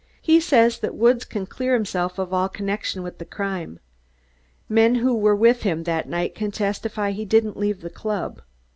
He says that Woods can clear himself of all connection with the crime. Men who were with him that night can testify he didn't leave the club.